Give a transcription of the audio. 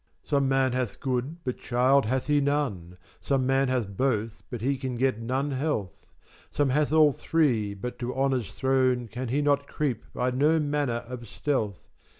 Some man hath good but children hath he none, Some man hath both but he can get none health, Some hath all three, but up to honour's throne Can he not creep by no manner of stealth.